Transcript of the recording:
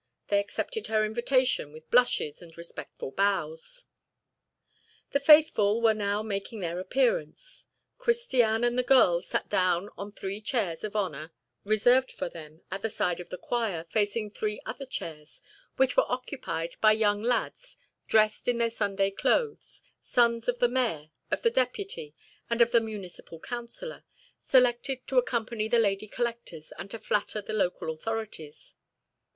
They accepted her invitation with blushes and respectful bows. The faithful were now making their appearance. Christiane and her girls sat down on three chairs of honor reserved for them at the side of the choir, facing three other chairs, which were occupied by young lads dressed in their Sunday clothes, sons of the mayor, of the deputy, and of a municipal councilor, selected to accompany the lady collectors and to flatter the local authorities.